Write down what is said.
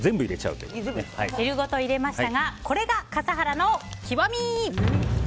汁ごと入れましたがこれが笠原の極み！